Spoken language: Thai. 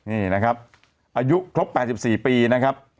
นี่นะครับอายุครบ๘๔ปีนะครับ